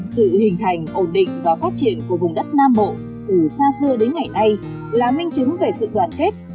sự hình thành ổn định và phát triển của vùng đất nam bộ từ xa xưa đến ngày nay là minh chứng về sự đoàn kết